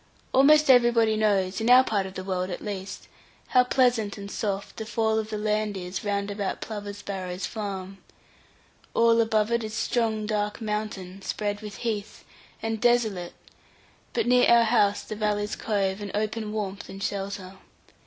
Almost everybody knows, in our part of the world at least, how pleasant and soft the fall of the land is round about Plover's Barrows farm. All above it is strong dark mountain, spread with heath, and desolate, but near our house the valleys cove, and open warmth and shelter.